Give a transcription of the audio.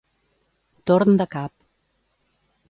Torn de cap.